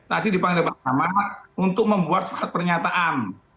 tadi dipanggil pak camat untuk membuat sukat pernyataan